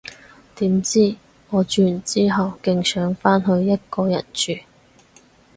點知，我住完之後勁想返去一個人住